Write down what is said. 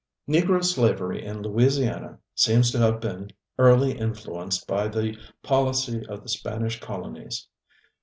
" Negro slavery in Louisiana seems to have been early influenced by the policy of the Spanish colonies.